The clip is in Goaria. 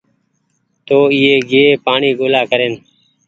تو ايئي گئي پآڻيٚ ڳولآ ڪرين